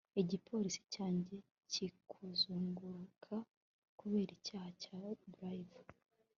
igipolisi cyaje kikuzunguruka kubera icyaha cya drivin